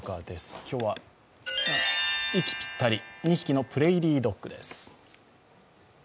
今日は、息ぴったり、２匹のプレーリードッグです。